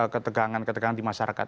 ketegangan ketegangan di masyarakat